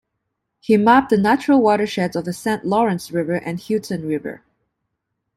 He mapped the natural watersheds of the Saint Lawrence River and Hudson River.